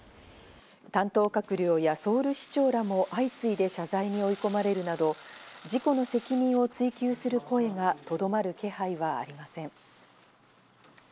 担当閣僚やソウル市長らも相次いで謝罪に追い込まれるなど事故の責任を追及する声がとどまる気配はありません。